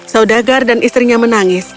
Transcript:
saudagar dan istrinya menangis